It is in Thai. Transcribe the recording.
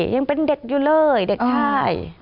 ยังเป็นเด็กอยู่เลยเด็กใช่